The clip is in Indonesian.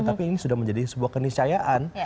tapi ini sudah menjadi sebuah keniscayaan